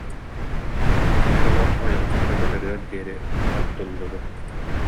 Тимир оһох ойоҕосторо кытарыар диэри оттул- лубут